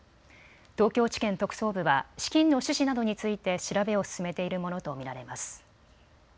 東京地検特捜部は資金の趣旨などについて調べを進めているものと見られます。